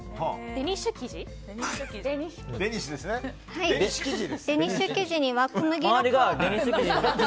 デニッシュ生地に。